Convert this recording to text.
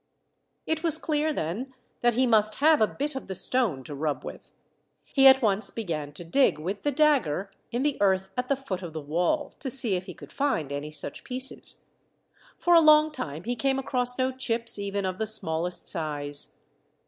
It was clear, then, that he must have a bit of the stone to rub with. He at once began to dig with the dagger in the earth at the foot of the wall, to see if he could find any such pieces. For a long time he came across no chips, even of the smallest size.